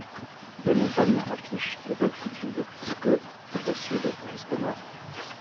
Les montagnes affichent des altitudes de au sud jusque au nord.